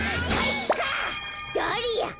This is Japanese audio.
ダリア！